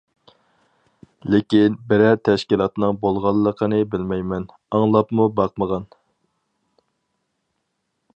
لېكىن بىرەر تەشكىلاتنىڭ بولغانلىقىنى بىلمەيمەن، ئاڭلاپمۇ باقمىغان.